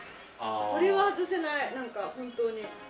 これは外せない、なんか本当に。